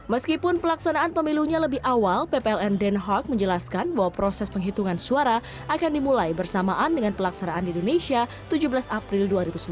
meskipun pelaksanaan pemilunya lebih awal ppln den haag menjelaskan bahwa proses penghitungan suara akan dimulai bersamaan dengan pelaksanaan di indonesia tujuh belas april dua ribu sembilan belas